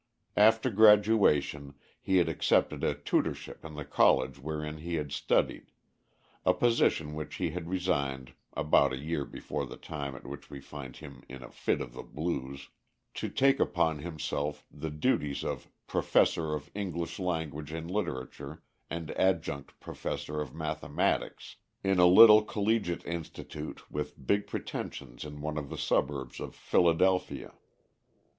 After graduation he had accepted a tutorship in the college wherein he had studied a position which he had resigned (about a year before the time at which we find him in a fit of the blues) to take upon himself the duties of "Professor of English Language and Literature, and Adjunct Professor of Mathematics," in a little collegiate institute with big pretensions in one of the suburbs of Philadelphia.